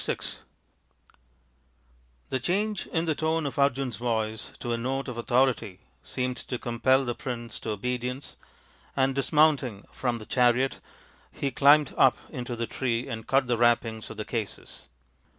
VI The change in the tone of Arjun's voice to a note of authority seemed to compel the prince to obedi ence, and, dismounting from the chariot, he climbed up into the tree and cut the wrappings of the cases.